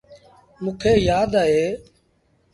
موݩ يآد اهي۔